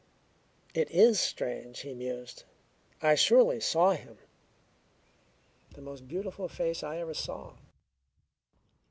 "It is strange," he mused. "I surely saw him. The most beautiful face I ever saw."